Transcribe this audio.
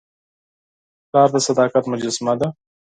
پلار د صداقت مجسمه ده.